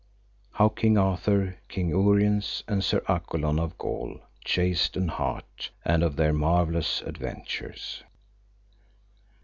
How King Arthur, King Uriens, and Sir Accolon of Gaul, chased an hart, and of their marvellous adventures.